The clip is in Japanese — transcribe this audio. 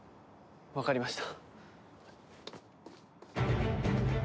わかりました。